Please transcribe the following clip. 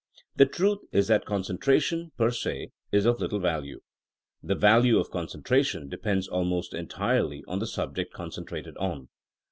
The truth is that concentration, per se^ is of little value. The value of concentration de pends almost entirely on the subject concen trated on.